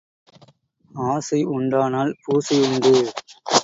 ஆசை உண்டானால் பூசை உண்டு.